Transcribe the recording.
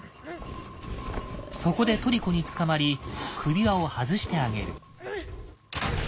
そこでトリコにつかまり首輪を外してあげる。